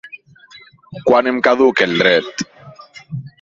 Quan em caduca el dret?